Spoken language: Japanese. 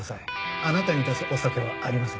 あなたに出すお酒はありません。